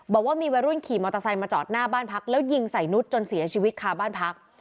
บอกว่ามีวัยรุ่นขี่มอเตอร์ไซค์มาจอดหน้าบ้านพักแล้วยิงใส่นุษย์จนเสียชีวิตคาบ้านพัก